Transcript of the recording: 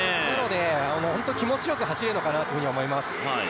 本当に気持ちよく走れるのかなと思います。